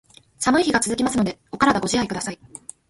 寒い日が続きますので、お体ご自愛下さい。